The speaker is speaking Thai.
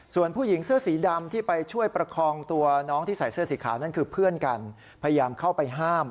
ส่วนผู้หญิงเสื้อสีดำที่ไปช่วยประคองตัวน้องที่ใส่เสื้อสีขาวนั่นคือเพื่อนกันพยายามเข้าไปห้าม